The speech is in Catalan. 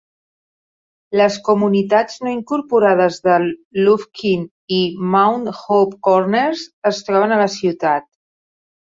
Les comunitats no incorporades de Lufkin i Mount Hope Corners es troben a la ciutat.